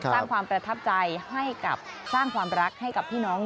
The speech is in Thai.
สร้างความประทับใจให้กับสร้างความรักให้กับพี่น้อง